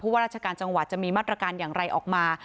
ว่าราชการจังหวัดจะมีมาตรการอย่างไรออกมา